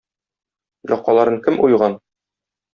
Якаларын кем уйган?